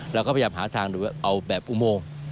เราก็พยายามหาทางดูว่าเอาแบบอุโมง